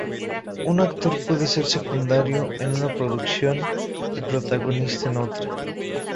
Un actor puede ser secundario en una producción y protagonista en otra.